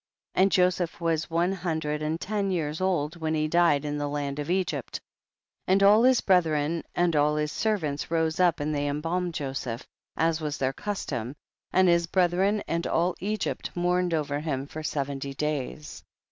26. And Joseph was one hundred and ten years old when he died in the land of Egypt, and all his brethren and all his servants rose up and they embalmed Joseph, as was their cus tom, and his brethren and all Egypt mourned over him for seventy days.